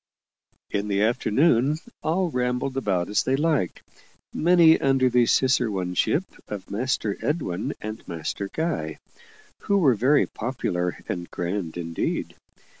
In the afternoon, all rambled about as they liked many under the ciceroneship of Master Edwin and Master Guy, who were very popular and grand indeed.